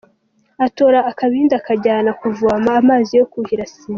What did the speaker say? Atora akabindi, ajya kuvoma amazi yo kuhira Sine.